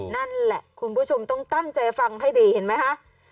นั่นแหละคุณผู้ชมต้องตั้งใจฟังให้ดีเห็นไหมคะ